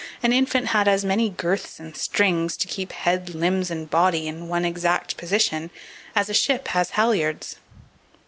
an infant had as many girths and strings, to keep head, limbs, and body in one exact position, as a ship has halyards.